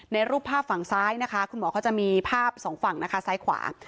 รูปภาพฝั่งซ้ายนะคะคุณหมอเขาจะมีภาพสองฝั่งนะคะซ้ายขวา